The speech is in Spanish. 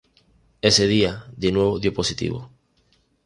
Ese día, de nuevo dio positivo.